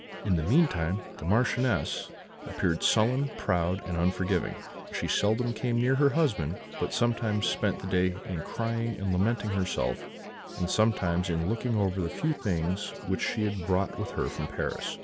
"In the meantime, the Marchioness appeared sullen, proud, and unforgiving: she seldom came near her husband, but sometimes spent the day in crying and lamenting herself, and sometimes in looking over the few things which she had brought with her from Paris.